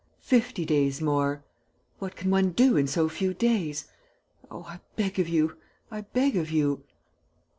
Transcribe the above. Fifty days more.... What can one do in so few days?... Oh, I beg of you.... I beg of you...."